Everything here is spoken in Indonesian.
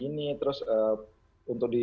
ini terus untuk di